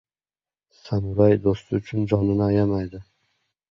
• Samuray do‘sti uchun jonini ayamaydi.